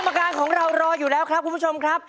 คณะกรรมการของเรารออยู่แล้วครับผู้ชมครับ